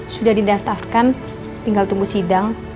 sudah didaftarkan tinggal tunggu sidang